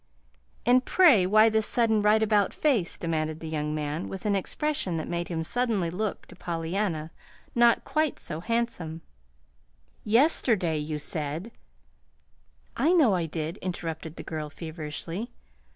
"And, pray, why this sudden right about face?" demanded the young man with an expression that made him suddenly look, to Pollyanna, not quite so handsome. "Yesterday you said " "I know I did," interrupted the girl, feverishly.